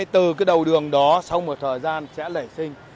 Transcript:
từ cái đầu đường đó sau một thời gian sẽ lẩy sinh